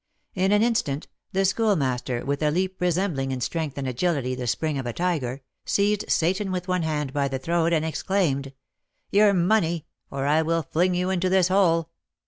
In an instant, the Schoolmaster, with a leap resembling in strength and agility the spring of a tiger, seized Seyton with one hand by the throat, and exclaimed, "Your money, or I will fling you into this hole!"